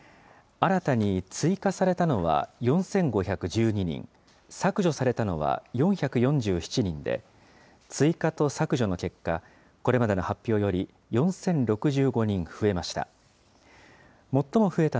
新たに追加されたのは、４５１２人、削除されたのは４４７人で、追加と削除の結果、これまでの発表より４０６５人増えました。